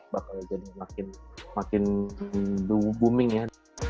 bakal jadi makin booming ya